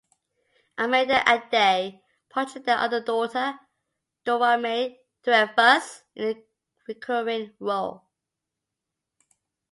Amanda Aday portrayed their other daughter, Dora Mae Dreifuss, in a recurring role.